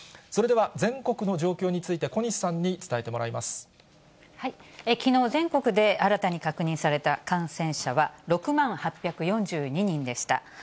それでは全国の状況について、きのう、全国で新たに確認された感染者は、６万８４２人でした。